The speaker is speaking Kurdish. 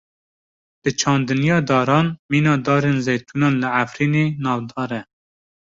Bi çandiniya daran, mîna darên zeytûnan li Efrînê, navdar e.